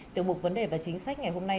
tiểu mục vấn đề và chính sách ngày hôm nay